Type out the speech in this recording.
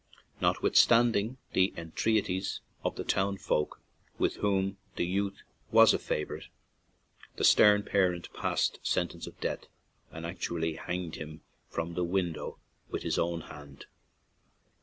Not withstanding the entreaties of the town folk, with whom the youth was a fa vorite, the stern parent passed sentence of death, and actually hanged him from the window with his own hand.